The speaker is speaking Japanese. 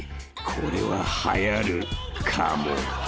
これははやるかも］